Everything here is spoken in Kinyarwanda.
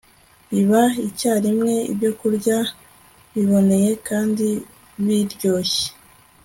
biba icyarimwe ibyokurya biboneye kandi biryoshye